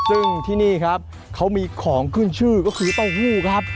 ซึ่งที่นี่ครับเขามีของขึ้นชื่อก็คือเต้าหู้ครับ